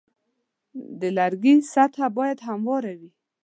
د لرګي سطحه باید همواره وي.